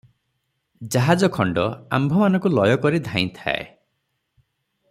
ଜାହାଜଖଣ୍ଡ ଆମ୍ଭମାନଙ୍କୁ ଲୟ କରି ଧାଇଁଥାଏ ।